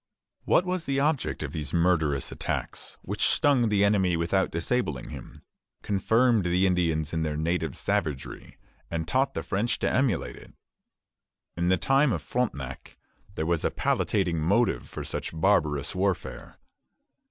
What was the object of these murderous attacks, which stung the enemy without disabling him, confirmed the Indians in their native savagery, and taught the French to emulate it? In the time of Frontenac there was a palliating motive for such barbarous warfare.